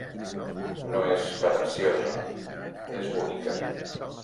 No és pretensiosa, és bonica.